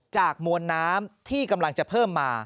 มวลน้ำที่กำลังจะเพิ่มมา